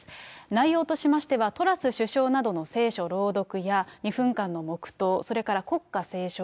内容としましては、トラス首相などの聖書朗読や、２分間の黙とう、それから国歌斉唱。